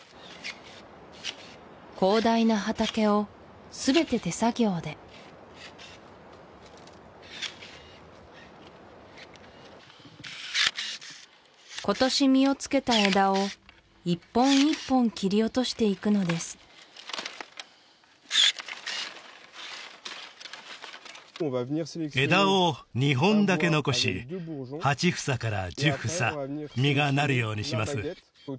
広大な畑を全て手作業で今年実をつけた枝を一本一本切り落としていくのです枝を２本だけ残し８房から１０房実がなるようにします